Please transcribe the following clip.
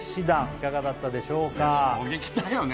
いかがだったでしょうかいや衝撃だよね